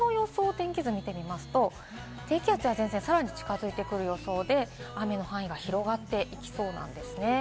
天気図を見てみますと、低気圧は前線がさらに近づいてくる予想で、雨の範囲が広がっていきそうなんです。